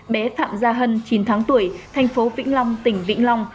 bé phạm gia hân chín tháng tuổi thành phố vĩnh long tỉnh vĩnh long